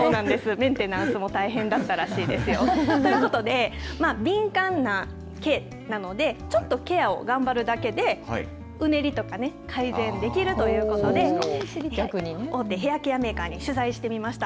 メンテナンスも大変だったらしいですよ。ということで敏感な毛なのでちょっとケアを頑張るだけでうねりとかね改善できるということで大手ヘアケアメーカーに取材してみました。